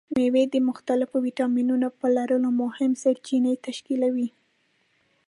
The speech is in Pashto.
مېوې د مختلفو ویټامینونو په لرلو مهمې سرچینې تشکیلوي.